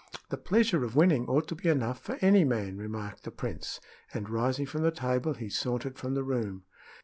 "The pleasure of winning ought to be enough for any man," remarked the prince, and, rising from the table, he sauntered from the room.